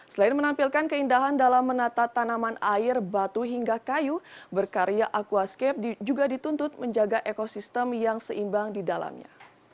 selain menampilkan keindahan dalam menata tanaman air batu hingga kayu berkarya aquascape juga dituntut menjaga ekosistem yang seimbang di dalamnya